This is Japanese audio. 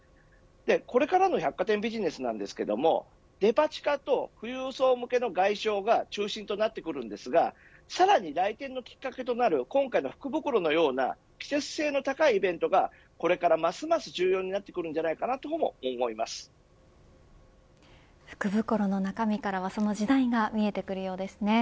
これからの百貨店ビジネスはデパ地下と富裕層向けの外商が中心となってくるんですがさらに来店のきっかけとなる今回の福袋のような季節性の高いイベントがこれからますます福袋の中身からはその時代が見えてくるようですね。